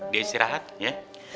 dia istirahat ya